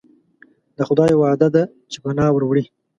د خدای وعده ده چې پناه وروړي.